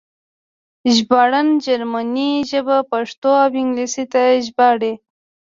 ژباړن جرمنۍ ژبه پښتو او انګلیسي ته ژباړي